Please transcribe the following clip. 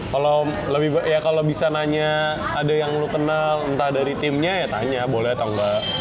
kalau lebih ya kalau bisa nanya ada yang lu kenal entah dari timnya ya tanya boleh atau enggak